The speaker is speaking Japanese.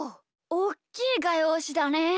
おっきいがようしだねえ！